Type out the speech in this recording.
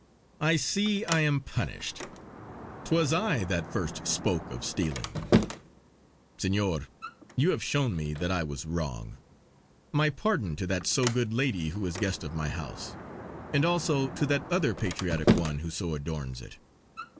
"I see I am punished! 'Twas I that first spoke of stealing. Senor, you have shown me that I was wrong. My pardon to that so good lady who is guest of my house; and also to that other patriotic one who so adorns it.